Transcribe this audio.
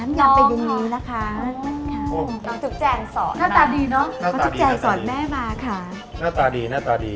ไม่ทานค่ะแต่ที่น้องน้องจุ๊กแจงสอนนะน้องจุ๊กแจงสอนแม่มาค่ะหน้าตาดีหน้าตาดี